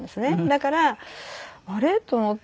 だからあれ？と思って。